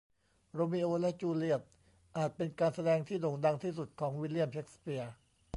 โรมิโอและจูเลียตอาจเป็นการแสดงที่โด่งดังที่สุดของวิลเลียมเชกสเปียร์